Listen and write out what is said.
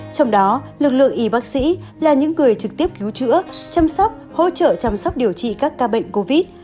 trong đó lực lượng y bác sĩ là những người trực tiếp cứu chữa chăm sóc hỗ trợ chăm sóc điều trị các ca bệnh covid